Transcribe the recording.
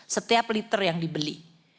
setiap liter yang dibeli